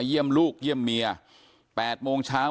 แม่โชคดีนะไม่ถึงตายนะ